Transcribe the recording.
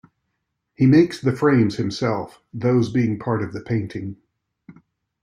He makes the frames himself, those being part of the painting.